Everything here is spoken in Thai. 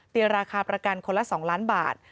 ราคาประกันคนละ๒ล้านบาท